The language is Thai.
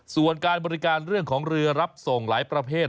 ส่วนการบริการเรื่องของเรือรับส่งหลายประเภท